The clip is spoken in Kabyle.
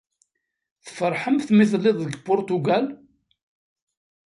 Tfeṛḥemt mi telliḍ deg Puṛtugal?